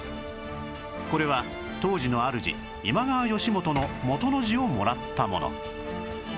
これは当時のあるじ今川義元の「元」の字をもらったもの